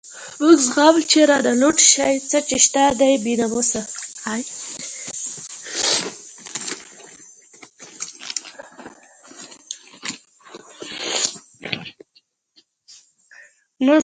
موږ زغمل چی رانه لوټ شی، څه چی شته دی بی ناموسه